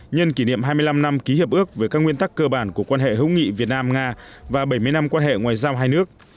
nhân kỷ niệm hai mươi năm năm ký hiệp ước về các nguyên tắc cơ bản của quan hệ hữu nghị việt nam nga và bảy mươi năm quan hệ ngoại giao hai nước